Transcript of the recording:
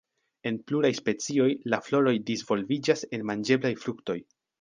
En pluraj specioj, la floroj disvolviĝas en manĝeblaj fruktoj.